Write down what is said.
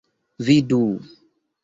Vidu!